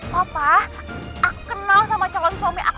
papa aku kenal sama calon suami aku